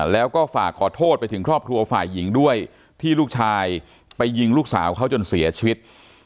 แล้วก็ฝากขอโทษไปถึงครอบครัวฝ่ายหญิงด้วยที่ลูกชายไปยิงลูกสาวเขาจนเสียชีวิต